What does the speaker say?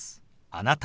「あなた」。